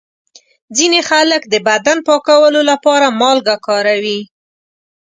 ځینې خلک د بدن پاکولو لپاره مالګه کاروي.